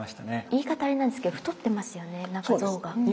言い方あれなんですけど太ってますよね